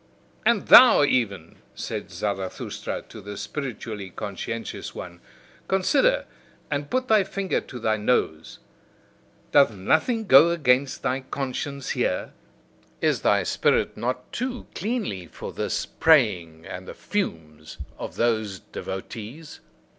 "And thou even," said Zarathustra to the spiritually conscientious one, "consider, and put thy finger to thy nose! Doth nothing go against thy conscience here? Is thy spirit not too cleanly for this praying and the fumes of those devotees?"